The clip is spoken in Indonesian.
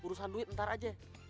urusan duit nanti aja